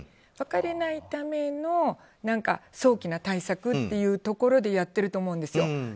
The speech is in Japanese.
別れないための早期な対策というところでやっていると思うんですよ。